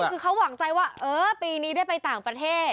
คือเขาหวังใจว่าเออปีนี้ได้ไปต่างประเทศ